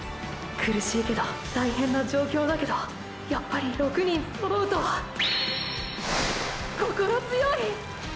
苦しいけど大変な状況だけどやっぱり６人揃うとーー心強い！！